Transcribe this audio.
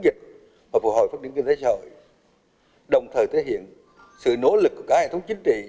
dịch và phù hồi phát triển kinh tế rồi đồng thời thể hiện sự nỗ lực của cả hệ thống chính trị